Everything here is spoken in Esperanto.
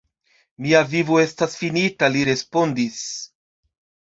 Mia vivo estas finita, li respondis.